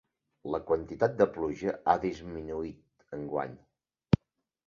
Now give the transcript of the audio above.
La quantitat de pluja ha disminuït enguany.